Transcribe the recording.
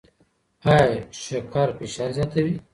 ایا شکر فشار زیاتوي؟